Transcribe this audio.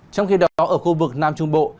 trong khi đó ở khu vực nam trung bộ